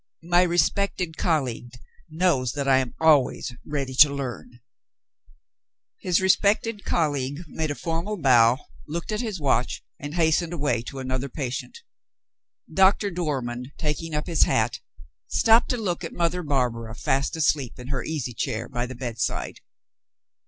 My respected colleague knows that I am always ready to learn." His respected colleague made a formal bow, looked at his watch, and hastened away to another patient. Doctor Dormann, taking up his hat, stopped to look at Mother Barbara, fast asleep in her easy chair by the bedside.